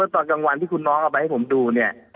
ตอนกลางวันที่คุณน้องเอาไปให้ผมดูเนี่ย